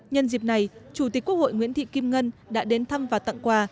nhân dịp này chủ tịch quốc hội nguyễn thị kim ngân đã đến thăm và tặng quà